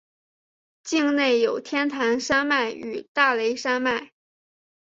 境内有天台山脉与大雷山脉。